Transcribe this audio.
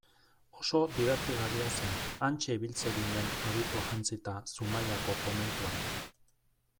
Oso dibertigarria zen, hantxe ibiltzen ginen abitua jantzita Zumaiako komentuan.